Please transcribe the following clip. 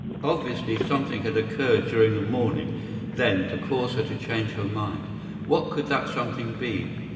Obviously something had occurred during the morning, then, to cause her to change her mind. What could that something be?